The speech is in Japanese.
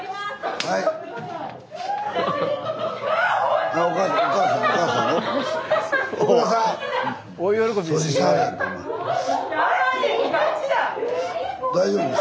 はい大丈夫です。